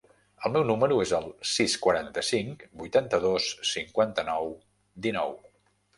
El meu número es el sis, quaranta-cinc, vuitanta-dos, cinquanta-nou, dinou.